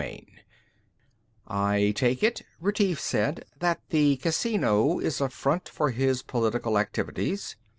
III "I take it," Retief said, "that the casino is a front for his political activities."